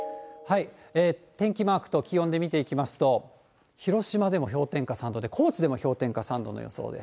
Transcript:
天気マークと気温で見ていきますと、広島でも氷点下３度で、高知でも氷点下３度の予想。